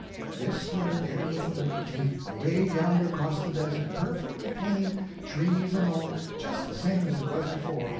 Yes, sir, there was the lake again, away yonder across the desert, perfectly plain, trees and all, just the same as it was before.